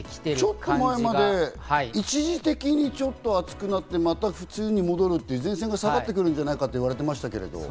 ちょっと前は一時的に暑くなって、また普通に戻るって、前線が下がるんじゃないかと言われてましたけど。